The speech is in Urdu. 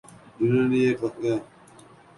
جنہوں نے یہ کیا۔